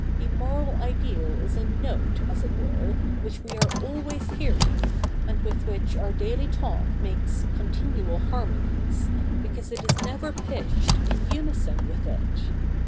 The moral ideal is a note, as it were, which we are always hearing, and with which our daily talk makes continual harmonies, because it is never pitched in unison with it.